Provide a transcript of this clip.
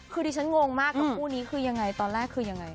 คือดิฉันงงมากกับคู่นี้คือยังไงตอนแรกคือยังไง